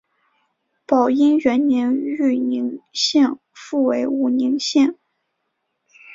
宝应元年豫宁县复为武宁县。